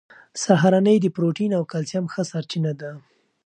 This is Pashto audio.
سهارنۍ د پروټین او کلسیم ښه سرچینه ده.